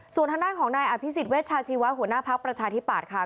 ส่วนทางด้านของนายอภิษฎเวชาชีวะหัวหน้าภักดิ์ประชาธิปัตย์ค่ะ